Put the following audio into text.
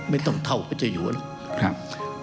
ไม่ต้องเท่าว่าจะอยู่แล้ว